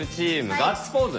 ガッツポーズ